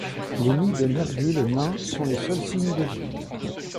Les nids de Mergule nain sont les seuls signes de vie.